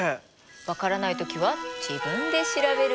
分からない時は自分で調べる。